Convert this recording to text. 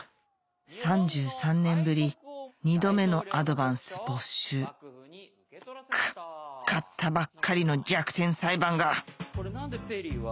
３３年ぶり２度目のアドバンス没収クッ買ったばっかりの『逆転裁判』が！